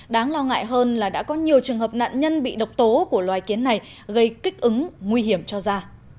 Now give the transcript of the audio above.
đáng lo ngại hơn là đã có nhiều trường hợp nạn nhân bị độc tố của loài kiến này gây kích ứng nguy hiểm cho da